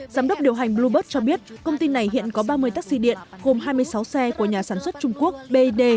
giám đốc điều hành bluebird cho biết công ty này hiện có ba mươi taxi điện gồm hai mươi sáu xe của nhà sản xuất trung quốc bid